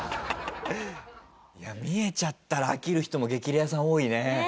見えちゃったら飽きる人も激レアさん多いね。